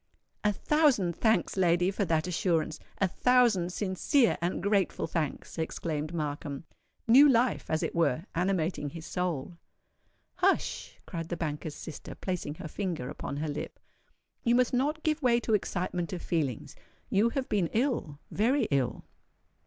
"A thousand thanks, lady, for that assurance—a thousand sincere and grateful thanks!" exclaimed Markham, new life as it were animating his soul. "Hush!" cried the banker's sister, placing her finger upon her lip: "you must not give way to excitement of feelings. You have been ill—very ill."